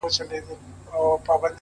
مخامخ وتراشل سوي بت ته ناست دی’